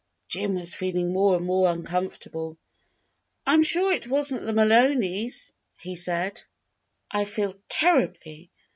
Jim was feeling more and more uncomfortable. "I am sure it was n't the Mahoneys," he said. "Well, I feel terribly!